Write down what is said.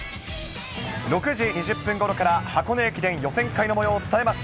６時２０分ごろから、箱根駅伝予選会のもようをお伝えします。